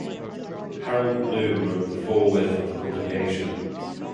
Harold Bloom wrote the foreword for the publication.